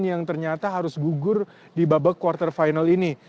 yang ternyata harus gugur di babak quarter final ini